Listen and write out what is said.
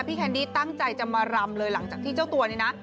แคนดี้ตั้งใจจะมารำเลยหลังจากที่เจ้าตัวนี้นะ